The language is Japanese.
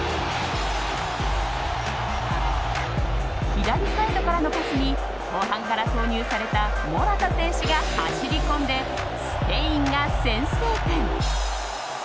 左サイドからのパスに後半から投入されたモラタ選手が走り込んでスペインが先制点。